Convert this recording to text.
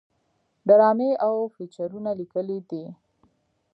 ډرامې او فيچرونه ليکلي دي